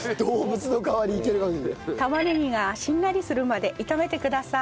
玉ねぎがしんなりするまで炒めてください。